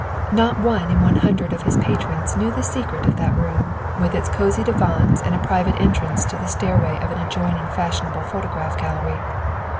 Not one in one hundred of his patrons knew the secret of that room with its cosy divans and a private entrance to the stairway of an adjoining fashionable photograph gallery.